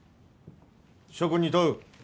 諸君に問う。